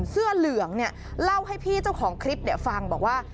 เสื้อเหลืองเนี่ยเล่าให้พี่เจ้าของคลิปฟังบอกว่า